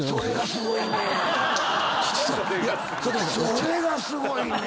それがすごいねん！